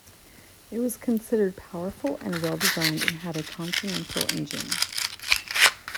It was considered powerful and well-designed, and had a Continental engine.